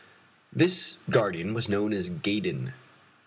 This guardian was known as Gaydon.